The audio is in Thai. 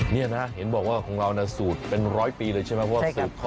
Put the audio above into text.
นี่นะเห็นบอกว่าของเราสูตรเป็นร้อยปีเลยใช่ไหม